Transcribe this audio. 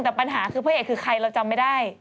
แต่ปัญหาคือพระเอกคือใครเราจำไม่ได้